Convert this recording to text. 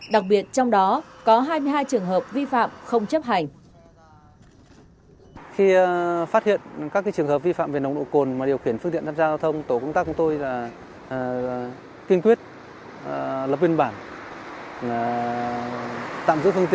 đặc biệt trong đó có hai mươi hai trường hợp vi phạm không chấp hành